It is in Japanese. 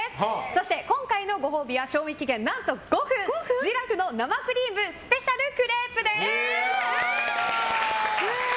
そして今回のご褒美は賞味期限、何と５分ｇｉｒａｆｆｅの生クリームスペシャルクレープです。